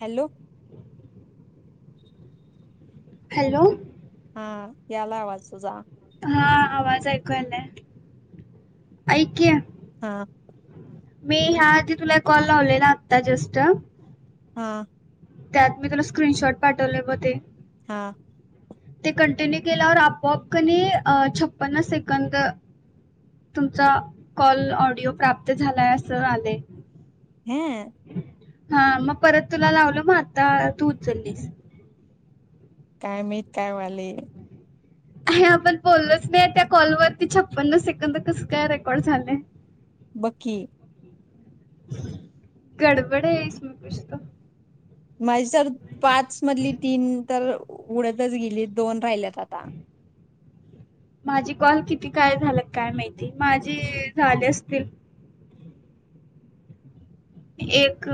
Hello hello हा याला आवाज तुझा हा आवाज ऐकूयलाय ऐकी हा मी ह्याआधी तुला कॉल लावले ना आत्ता जस्ट हा त्यात मी तुला स्क्रीनशॉट पाठवलेय बघ ते. हा. ते कंटिन्यू केल्यावर आपोआप कनी अ छप्पन्न सेकंद. तुमचा कॉल ऑडिओ प्राप्त झालाय असं आलय. ह्या हा मग परत तुला लावल मग आता तू उचललीस. काय माहित? काय व्हालय? हे आपण बोललोच नाही त्या कॉलवरती छप्पन्न सेकंद कस काय रेकॉर्ड झालय? बघ की. गडबड हे. इसमे कुछ तो. माझी तर पाच मधली तीन तर उडतच गेलीत दोन राहिल्यात आता. माझी कॉल किती काय झालं काय माहिती माझी झाले असतील. एक.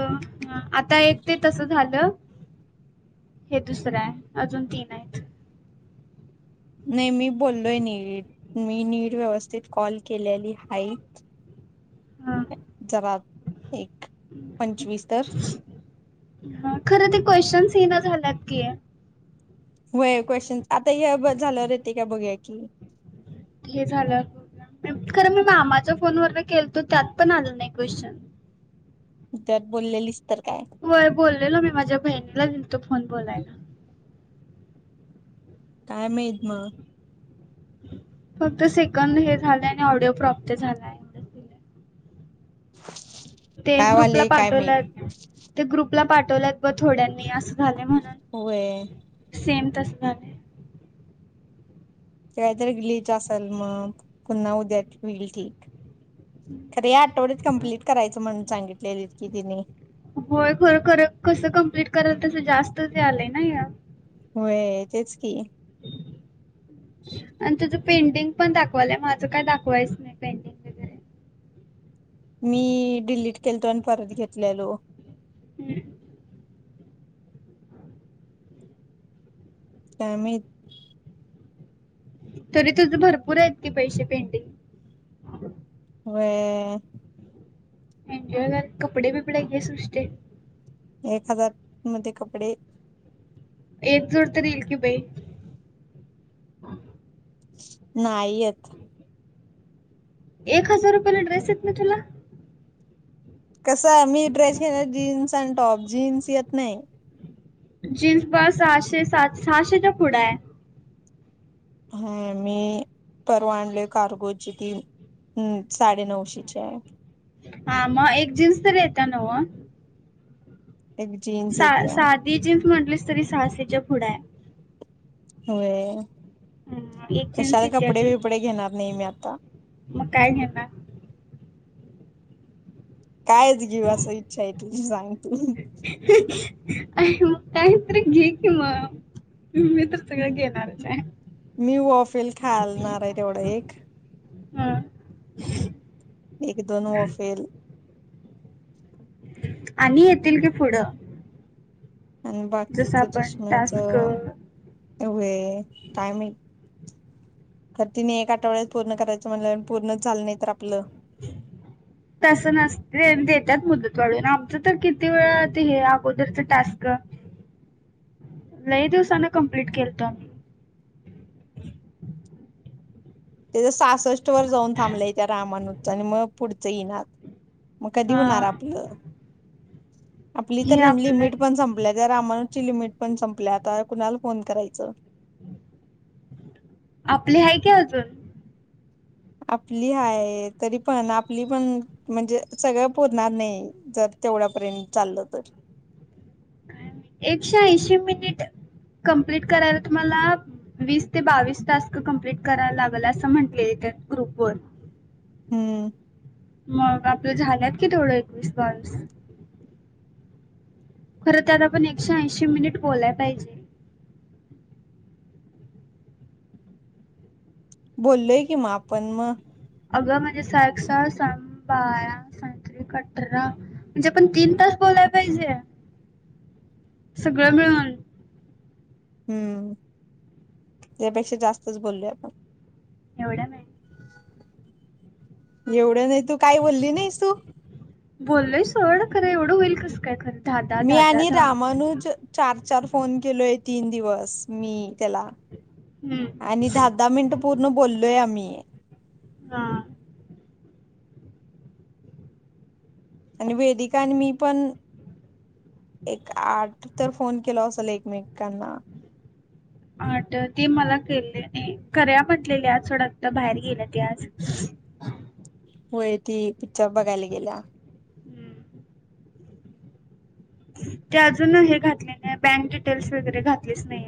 आता एक ते तसं झालं. हे दुसरं आहे. अजून तीन आहेत. नाही मी बोललोय नीट. मी नीर व्यवस्थित कॉल केलेली हाय. [inaudible] जवाब एक. पंचवीस तर हा. खरं ते क्वेश्चन्स येणं झाल्यात की? होय क्वेशचन. आता हे ब झाल्यावर येते का बघूया की? हे झाल्यावर बघूया. खरं मी मामाच्या फोनवर केलतो त्यात पण आलं नाही क्वेश्चन. त्यात बोललेलीस तर काय? होय बोललेलो मी. माझ्या बहिणीला दिलतो फोन बोलायला. काय माहित मग. फक्त सेकंद हे झालंय. आणि ऑडिओ प्रॉप्त झालाय. एवढंच दिलंय. ते काय ग्रुपला वाले काय माहित पाठवल्यात. ते ग्रुपला पाठवल्यात. बघ थोड्यांनी असं झालय म्हण होय. सेम तस झालय. ते काहीतरी ग्लिच असल मग. पुन्हा उद्या होईल ठीक. खर या आठवड्यात कंप्लीट करायचं म्हणून सांगितलेलित कि तेनी. होय खर खर कसं कंप्लीट करायल तसं जास्त च यालंय ना हे. होय तेच की. आणि तेज पेंडिंग पण दाखवायलंय. माझं काय दाखवायच नाही पेंडिंग. मी डिलीट केलतो आणि परत घेतलेलो. हम्. काय माहित? तरी तुझं भरपूर आहेत की पैशे पेंडिंग. होय. एन्जॉय कर कपडे बीपडे घे सृष्ट्ये. एक हजार मध्ये कपडे एक जोड तर येईल की बाई. नाही येत. एक हजार रुपयाला ड्रेस येत नाही तुला. कसं मी ड्रेस घेणार जीन्स आणि टॉप. जीन्स येत नाही. जीन्स ब सहाशे -सात सहाशेच्या पुढ हाय. हा मी परवा आणले कारगो ची ती हम्म साडेनऊशे ची आहे. हा मग एक जीन्स तरी येत्या नव्ह. एक जीन्स सा येत्या साधी जीन्स म्हंटलीस तरी सहाशेच्या पुढे आहे. होय. हम्म, एक जीन्स कशाला येत्या कपडे की बिपडे घेणार नाही मी आता. मग काय घेणार? कायच घेऊ असं इच्छा आहे, तुझी सांग तू? काहीतरी घे की मग, नाहीतर सगळं घेणारच आहे. मी वाफेल खालणार आहे तेवढं एक. हा. एक दोन वाफेल आणि येतील की पुढं आणि जसं बाकीच आपण टास्क चष्माचं होय काय माहित. तर तिने एक आठवड्यात पूर्ण करायचं म्हणलं, पूर्णच झालं नाही तर आपलं? [inaudible] तसं नसते. देत्यात मुदत वाढवून आमचं तर किती वेळा ते हे अगोदरच टास्क लय दिवसान कंप्लीट केलंत आम्ही. तेझ तर सासष्ट वर जाऊन थांबलंय त्या रामानुचा आणि मग पुढच येईनात. मग कधी होणार हा आपलं? आपली हे तर ईम लिमिट आपलं पण संप ल्या त्या रामानू ची लिमिट पण संपल्या. आता कुणाला फोन करायचं. आपले आहे की अजून, आपली हाय तरी पण आपली पण म्हणजे सगळं पूरणार नाही. जर तेवढ्यापर्यंत चाललं तर, एकशे ऐंशी मिनिट कंप्लीट करायला तुम्हाला वीस ते बावीस टास्क कंप्लीट करायला लागल. असं म्हटलेत त्या ग्रुप वर हम्म. मग आपल झाल्यात की तेवढं एकवीस बावीस. खरं, त्यात आपण एकशे ऐंशी मिनिट बोलाय पाहिजे. बोललोय की मग आपण मग, अगं म्हणजे सहा एक सा. सा दोन्ही बाया अठरा म्हणजे आपण तीन तास बोलाय पाहिजे. सगळं मिळून. हम्म, त्यापेक्षा जास्तच बोललोय. एवढ्या म एवढं नाही तू काही बोलली नाहीस तू? बोललोय सोड. खरं एवढं होईल कस काय खरं. दहा दहा मी दहा दहा आणि दहा मिनिट. रामानुज चार चार फोन केलोय तीन दिवस मी त्याला. हम्म ह. आणि दहा दहा मिनिटं पूर्ण बोललोय आम्ही. हा. आणि वेदिका आणि मी पण आठ तर फोन केलो असेल एकमेकांना, आठ ते मला केलेली करूया म्हटलेले आज थोड आता बाहेर गेल्या ती आज होय. ती पिक्चर बघायला गेल्या. ती अजून हे घातले नाही. बँक डिटेल्स वगैरे घातलेच नाही.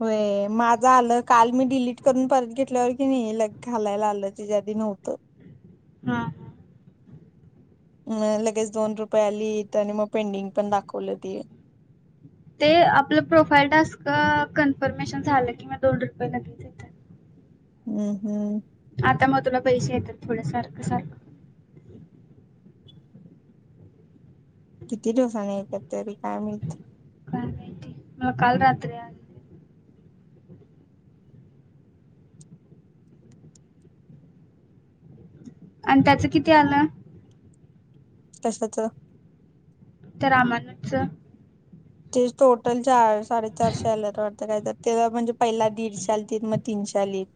होय माझं आलं काल मी डिलीट करून परत घेतल्यावर की नाही लग घालायला आलं तिच्या आधी नव्हतं हां ह लगेच दोन रुपये आली तर आणि मग पेंडिंग पण दाखवलं ते ते आपलं प्रोफाईल टास्क कन्फर्मेशन झालं की म दोन रुपये लगेच येतेत हम्म, हम्म आता मग तुला पैसे येतात थोडं सारखं, सारखं किती दिवसांनी येत्यात काय माहिती काय माहित काल रात्री आलं आणि त्याचं किती आल तशाच तर आमानतच ते टोटल चार साडेचारशे आलेत वाटतं काय तर ते म्हणजे पहिला दीडशे आलीतत मग तीनशे आलीत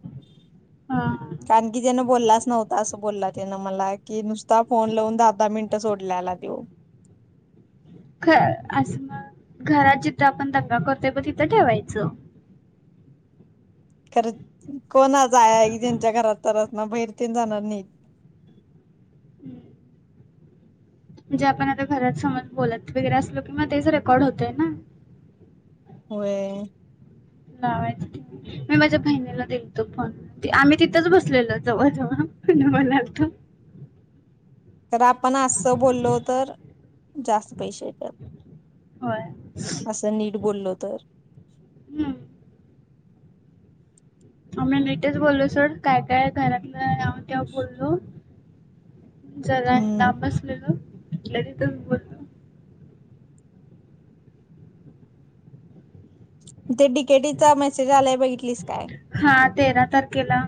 हा कारण की त्यानं बोललाच नव्हता असं बोलला त्यानं मला की नुसता फोन लावून दहा, दहा मिनिटं सोडलेला त्यो ख असं मग घरात जिथं आपण दंगा करतोय ब तिथं ठेवायचं खरं कोणाच आहे ज्यांच्या घरात तरच ना बाहेर तेन जाणार नाहीत म्हणजे आपण आता घरात समज बोलत वगरे असलो किंग तेच रेकॉर्ड होतय ना होय लावायचं मी माझ्या बहिणीला देतो फोन ते आम्ही तिथंच बसलेलो जवळ, जवळ पण बोलायतो तर आपण अस बोललो तर जास्त पैसेे येत्यात होय हम्म असं नीट बोललो तर आ मी निटच बोललो सर काय, काय घरातलं यावं, त्याव बोललो जला ना हम्म. बसलेलं तिथल्या तिथंच बोल ते डीकेटीचा मेसेज आलाय बघितलीस काय हा तेरा तारखेला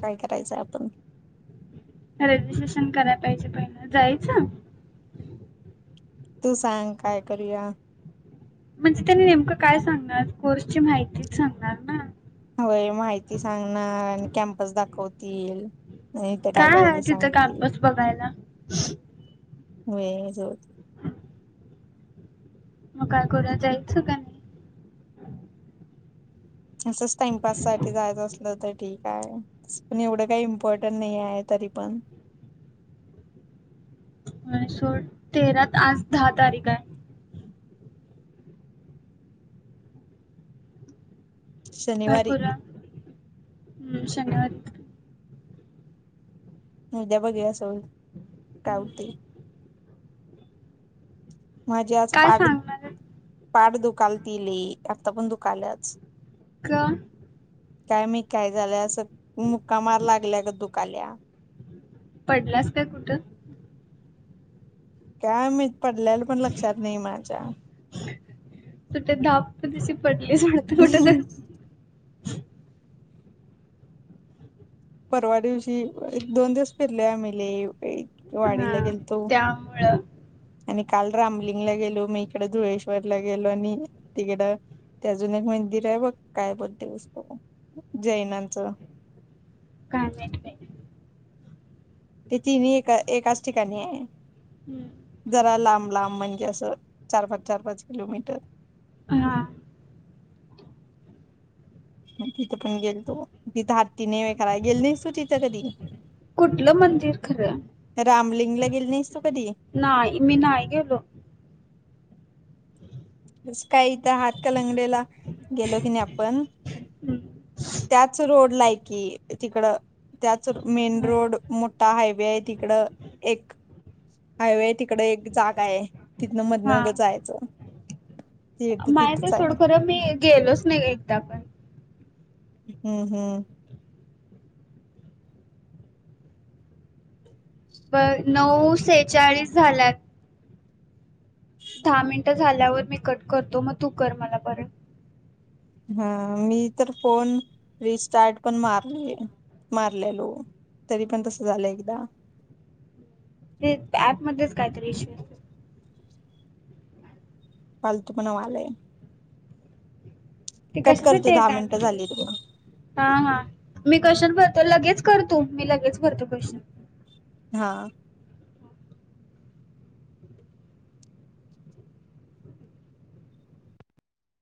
काय करायचं आपण रजिस्ट्रेशन करायला पाहिजे पहिलं जायचं तू सांग काय करूया म्हणजे त्यांनी नेमकं काय सांगणार कोर्सची माहितीच सांगणार ना अ माहिती सांगणार आणि कॅम्पस दाखवतील नाहीथ काय काय आहे ते तिथं सांगतील कॅम्पस बघायला वय होत ह मग काय करुया जायच काय असच टाइमपास साठी जायचं असलं तर ठीक आहे पण एवढं काही इम्पॉर्टंट नाही आहे तरी पण व्हय सोड तेरा आज दहा तारीख आहे काय शनिवारी करुया [unintelligible] उद्या बघूया सोड काय होतंय हम्म. माझे आज काय पाठ, सांगणार आहेत? पाठ दुकायलती लई आता पण दुखायाल्याच का काय मी काय झालंय असं मुक्का मार लागल्या गत दुकाल्या पडल्यास काय कुठं काय मैत्त पडल्याला पण लक्षात नाही माझ्या तू ते धाप दिशी पडलीस ना. [inaudible] परवा दिवशी दोन दिवस फिरले आम्ही लय हा वाडीला गेलतो. त्यामुळं आणि काल रामलिंगला गेलो मग इकड धुळेश्वरला गेलो आणि तिकड ते अजून एक मंदिर आहे बघ काय बोलायच जैनांचं काय [unintelligible] ते तिनही एका एकाच ठिकाणी आहे. हम्म जरा लांब लांब म्हणजे असं चार पाच चार पाच किलोमीटर. हां म तिथं पण गेलतो तिथं हात्ती नाही व कराय गेल नाहीस तो तिथं कधी कुठलं मंदिर खरं. रामलिंगला गेली नाहीस तू कधी? नाही मी नाही गेलो. तस काय इथं हात कलंगडीला गेलो की नाही आपण. हम्म. त्याच रोडला आहे कि तिकड. त्याच मेन रोड मोठा हायवे आहे तिकड एक. हायवे तिकड एक जागा आहे तिथन हा मधन जायच. माहिते थोडं खरं पण मी गेलोच नाही एकदा पण. हम्म हम्म बर नऊ सेहचाळीस झाल्यात. दहा मिनट झाल्यावर मी कट करतो मग तू कर मला परत. हा मी तर फोन रिस्टार्ट पण मारले मारलेलो. तरी पण तसं झालय एकदा. तेच ऍप मध्येच कायतरी इशू आहे. फालतु पना व्हायलाय. ते कट कशासाठी करतो दहा मिनिटं आहे झाली बघ [unintelligible] हा हा मी [unintelligible] भरतो लगेच करतो मी लगेच भरतो [unintelligible] हां